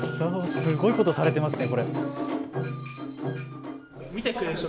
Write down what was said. すごいことされていますね。